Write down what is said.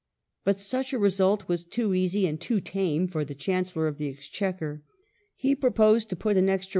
But such a result was too easy and too tame for the Chancellor of the Exchequer. He proposed to put an extra Id.